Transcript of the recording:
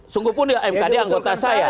sungguhpun ya mkd anggota saya